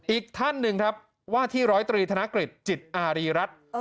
อีกท่านหนึ่งครับว่าที่ร้อยตรีธนกฤษจิตอารีรัฐ